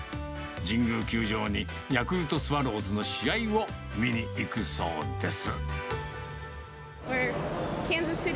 神宮球場にヤクルトスワローズの試合を見に行くそうです。